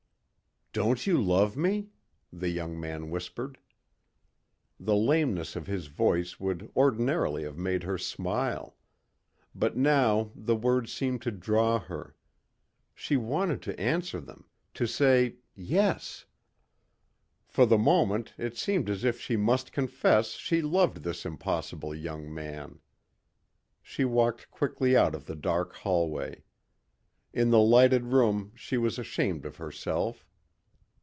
"Don't you love me?" the young man whispered. The lameness of his voice would ordinarily have made her smile. But now the words seemed to draw her. She wanted to answer them, to say, "yes." For the moment it seemed as if she must confess she loved this impossible young man. She walked quickly out of the dark hallway. In the lighted room she was ashamed of herself.